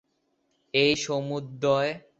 এই সমুদয় সংস্কারের একমাত্র কারণ অবিদ্যা।